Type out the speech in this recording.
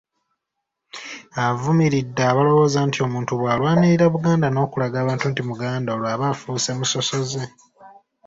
Avumiridde abalowooza nti omuntu bw’alwanirira Buganda n’okulaga abantu nti Muganda, olwo aba afuuse musosoze.